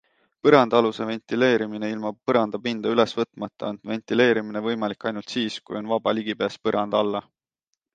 Põrandaaluse ventileerimine Ilma põrandapinda ülesvõtmata on ventileerimine võimalik ainult siis, kui on vaba ligipääs põranda alla.